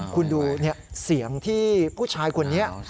คุณดูเสียงที่ผู้ชายคนนี้